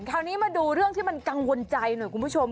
คราวนี้มาดูเรื่องที่มันกังวลใจหน่อยคุณผู้ชม